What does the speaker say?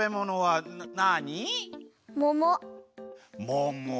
もも。